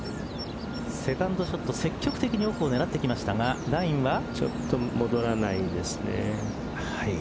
セカンドショット、積極的に奥を狙ってきましたがちょっと戻らないですね。